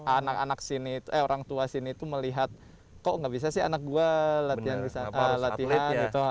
anak anak sini eh orang tua sini tuh melihat kok nggak bisa sih anak gue latihan